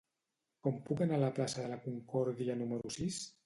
Com puc anar a la plaça de la Concòrdia número sis?